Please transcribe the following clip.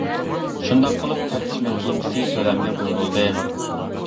شۇنداق قىلىپ، تەپتىش مەھكىمىسى تۆلەمگە بۇيرۇلدى.